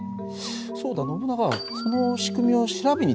そうだノブナガその仕組みを調べに行ったらどうだい？